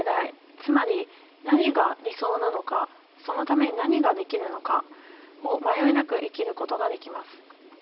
つまり何が理想なのかそのために何ができるのかを迷いなく生きることができます。